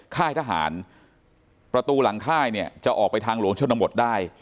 ค่ายทหารประตูหลังค่ายเนี่ยจะออกไปทางหลวงชนบทได้